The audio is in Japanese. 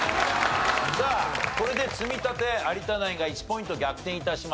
さあこれで積み立て有田ナインが１ポイント逆転致しました。